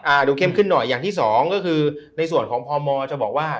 ดูเข้มขึ้นหน่อยอย่างที่สองก็คือในส่วนของพมจะบอกว่า